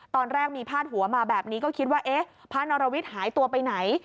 ตอนแรกมีพาดหัวมาแบบนี้ก็คิดว่าเอ๊ะพระนรวิทย์หายตัวไปไหน